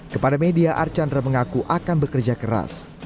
kepada media archandra mengaku akan bekerja keras